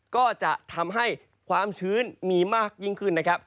ก็จะทำให้ความชื้นมีมากยิ่งขึ้นนะครับ